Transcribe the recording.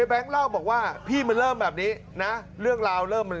แบงค์เล่าว่าพี่มันเริ่มแบบนี้นะ